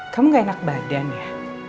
kamu gak enak badan ya